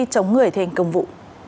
sống người thành công vụ